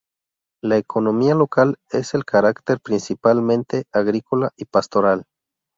La economía local es el carácter principalmente agrícola y pastoral.